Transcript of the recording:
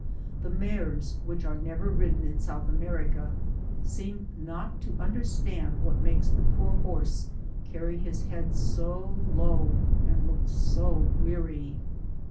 The mares, which are never ridden in South America, seem not to under stand what makes the poor horse carry his head so low, and look so weary.